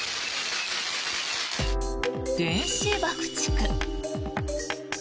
電子爆竹。